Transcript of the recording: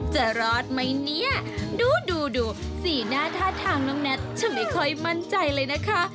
จะรอดไหมเนี่ยดูดูสีหน้าท่าทางน้องแน็ตฉันไม่ค่อยมั่นใจเลยนะคะ